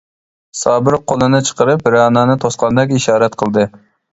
سابىر قولىنى چىقىرىپ، رەنانى توسقاندەك ئىشارەت قىلدى.